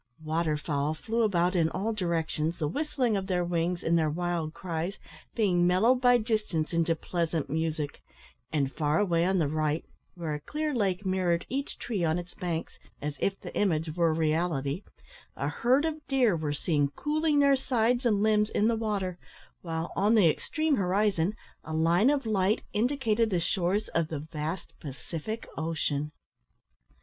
Water fowl flew about in all directions, the whistling of their wings and their wild cries being mellowed by distance into pleasant music; and, far away on the right, where a clear lake mirrored each tree on its banks, as if the image were reality, a herd of deer were seen cooling their sides and limbs in the water, while, on the extreme horizon, a line of light indicated the shores of the vast Pacific Ocean.